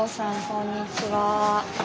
こんにちは。